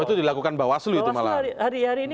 itu dilakukan bawaslu itu malah hari hari ini